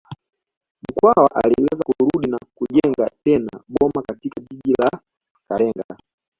Mkwawa aliweza kurudi na kujenga tena boma katika kijiji cha Kalenga